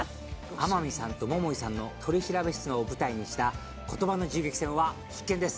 天海さんと桃井さんの取調室を舞台にした言葉の銃撃戦は必見です。